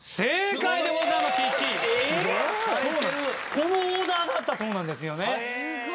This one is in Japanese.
このオーダーがあったそうなんですよね。